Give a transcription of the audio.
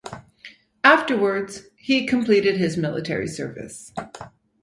Afterwards he completed his military service.